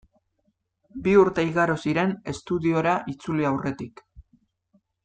Bi urte igaro ziren estudiora itzuli aurretik.